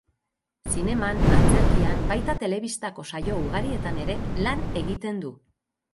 Zineman, antzerkian baita telebistako saio ugarietan ere lan egiten du.